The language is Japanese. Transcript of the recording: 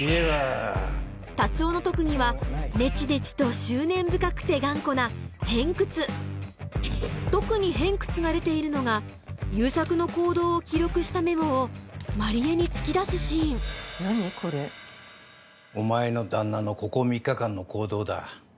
達男の特技はねちねちと執念深くて頑固な特にヘンクツが出ているのが悠作の行動を記録したメモを万里江に突き出すシーンお前の旦那のここ３日間の行動だ。